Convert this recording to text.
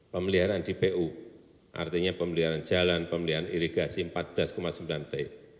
pemeliharaan di pu artinya pemeliharaan jalan pemeliharaan irigasi empat belas sembilan t